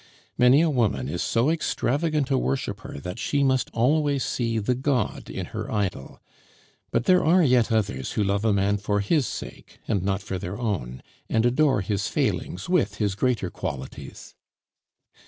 Many a woman is so extravagant a worshiper that she must always see the god in her idol; but there are yet others who love a man for his sake and not for their own, and adore his failings with his greater qualities.